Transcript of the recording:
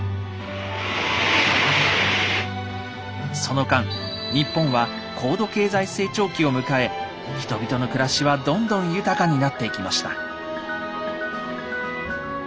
その間日本は高度経済成長期を迎え人々の暮らしはどんどん豊かになっていきました。